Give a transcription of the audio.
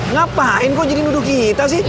ngapain kok jadi nuduh kita sih